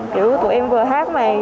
kiểu tụi em vừa hát này